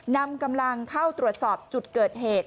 นำกำลังเข้าตรวจสอบจุดเกิดเหตุ